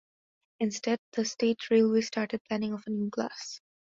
Instead, the state railways started planning of a new class.